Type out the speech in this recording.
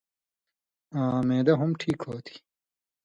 آں معدہ ہم ٹھیک ہو تھی۔